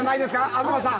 東さん